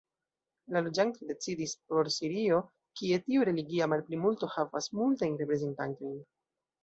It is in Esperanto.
La loĝantoj decidis por Sirio, kie tiu religia malplimulto havas multajn reprezentantojn.